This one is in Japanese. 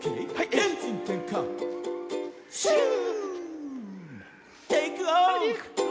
エンジンてんかシューーーッテイクオフ！